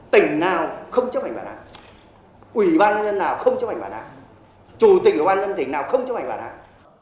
tỉnh nào không chấp hành bản án ủy ban nhân dân nào không chấp hành bảo đảm chủ tịch ủy ban dân tỉnh nào không chấp hành bản án